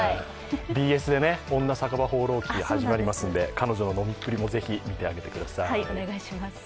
ＢＳで新番組が始まりますので、彼女の飲みっぷりもぜひ見てあげてください。